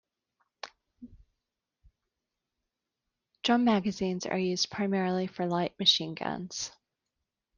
Drum magazines are used primarily for light machine guns.